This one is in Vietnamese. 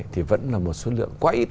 thì vẫn là một số lượng quá ít